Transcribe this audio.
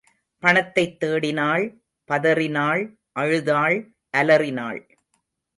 பணத்தைத் தேடினாள், பதறினாள், அழுதாள், அலறினாள்.